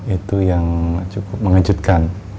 itu yang cukup mengejutkan